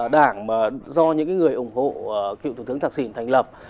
đảng do những người ủng hộ cựu thủ tướng thạc xỉn thành lập